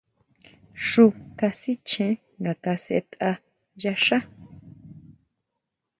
Xu kasichjen nga kasʼetʼa yá xá.